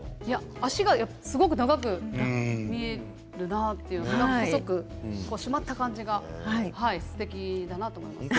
脚がすごく長く見えるんだなと細く締まった感じがすてきだなと思いました。